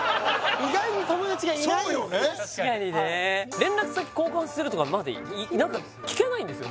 確かにね連絡先交換するとかまで何か聞けないんですよ